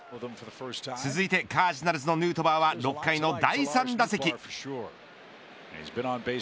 続いてカージナルスのヌートバーは６回の第３打席。